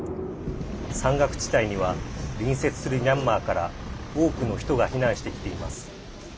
山岳地帯には隣接するミャンマーから多くの人が避難してきています。